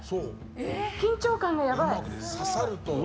緊張感がやばい。